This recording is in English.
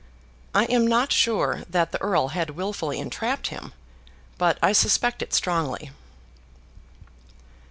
I am not sure that the Earl had wilfully entrapped him, but I suspect it strongly.